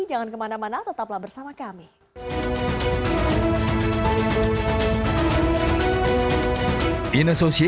jangan kemana mana tetaplah bersama kami